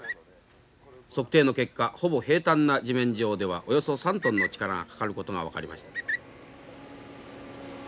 測定の結果ほぼ平たんな地面上ではおよそ３トンの力がかかることが分かりました。